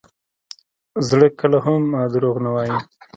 زړه کله هم دروغ نه وایي.